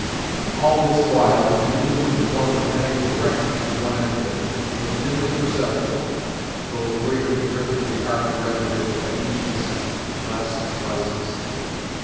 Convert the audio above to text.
All this while the canoe, with the form of Hetty erect in one end of it, was dimly perceptible, though the greater drift of the Ark rendered it, at each instant, less and less distinct.